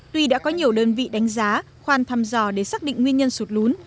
tuy đã có nhiều đơn vị đánh giá khoan thăm dò để xác định nguyên nhân sụt lún